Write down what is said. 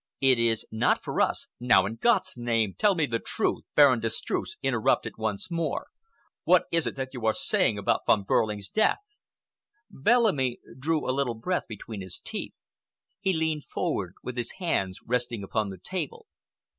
It is not for us—" "Now, in God's name, tell me the truth!" Baron de Streuss interrupted once more. "What is it that you are saying about Von Behrling's death?" Bellamy drew a little breath between his teeth. He leaned forward with his hands resting upon the table.